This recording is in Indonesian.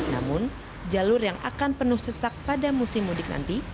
namun jalur yang akan penuh sesak pada musim mudik nanti